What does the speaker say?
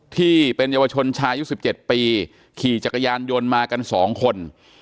ที่เป็นเยาวชนชายุ๑๗ปีขี่จักรยานยนต์มากัน๒คน